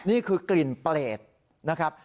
นี่คือกลิ่นเปรตนะครับ